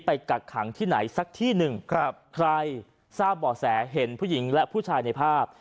กักขังที่ไหนสักที่หนึ่งครับใครทราบบ่อแสเห็นผู้หญิงและผู้ชายในภาพ